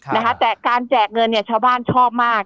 นะคะแต่การแจกเงินเนี่ยชาวบ้านชอบมาก